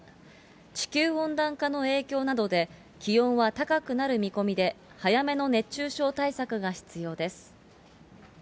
地球温暖化の影響などで、気温は高くなる見込みで、早めの熱中症対策が必要です。